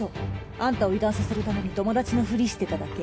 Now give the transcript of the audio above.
あんたを油断させるために友達のふりしてただけ。